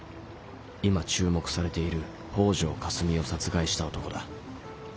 今注目されている「北條かすみ」を殺害した男だ。